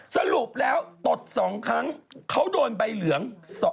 สรุปแล้วตด๒ครั้งเขาโดนใบเหลือง